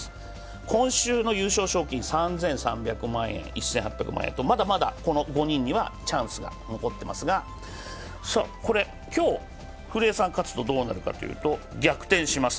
今週の優勝賞金３３００万円、１８００万円とまだまだこの５人にはチャンスが残ってますが今日、古江さん勝つとどうなるかというと、逆転します。